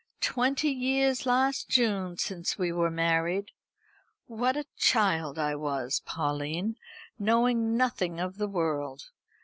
Twenty years last June since we were married. What a child I was, Pauline, knowing nothing of the world.